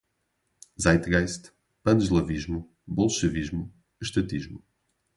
Zeitgeist, pan-eslavismo, bolchevismo, estatismo